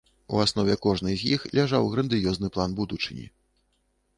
У аснове кожнай з іх ляжаў грандыёзны план будучыні.